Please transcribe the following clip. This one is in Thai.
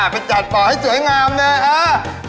ไปจัดป่อให้สวยงามเลยค่ะ